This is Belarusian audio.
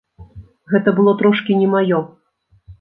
Гэта было трошкі не маё.